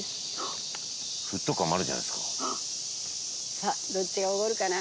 さあどっちがおごるかな？